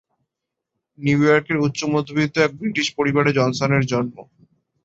New ইয়র্কের উচ্চ-মধ্যবিত্ত এক ব্রিটিশ পরিবারে জনসনের জন্ম।